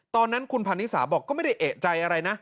ตอนนั้นคุณพันนิสาบอกก็ไม่ได้เอกใจอะไรนะ